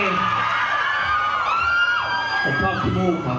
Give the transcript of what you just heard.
อเจมส์คือผมชอบพี่มุกครับ